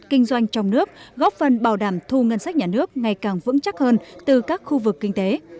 kinh doanh trong nước góp phần bảo đảm thu ngân sách nhà nước ngày càng vững chắc hơn từ các khu vực kinh tế